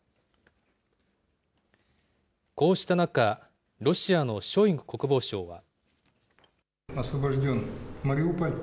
こうした中、ロシアのショイグ国防相は。